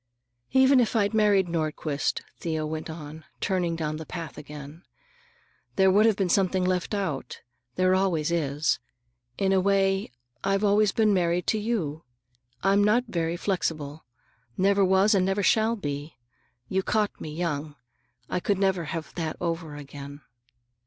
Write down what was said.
"Even if I'd married Nordquist," Thea went on, turning down the path again, "there would have been something left out. There always is. In a way, I've always been married to you. I'm not very flexible; never was and never shall be. You caught me young. I could never have that over again.